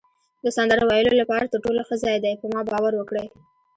د سندرو ویلو لپاره تر ټولو ښه ځای دی، په ما باور وکړئ.